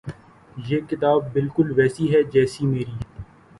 یہ کتاب بالکل ویسی ہے جیسی میری